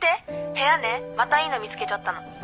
部屋ねまたいいの見つけちゃったの。